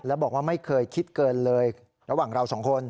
แล้วบอกว่าไม่เคยคิดเกินเลยระหว่างเราสองคน